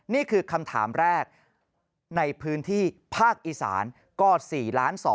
นี่คือคำถามแรกในพื้นที่ภาคอีสานก็๔๒๐๐